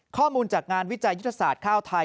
ข้อมูลจากงานวิจัยยุทธศาสตร์ข้าวไทย